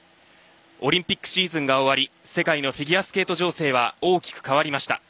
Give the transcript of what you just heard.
オリンピックシーズンが終わり世界のフィギュアスケート情勢は大きく変わりました。